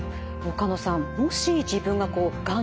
岡野さん